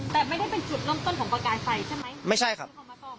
แต่ไม่ได้เป็นจุดล้มต้นของประกายไฟใช่ไหมไม่ใช่ครับ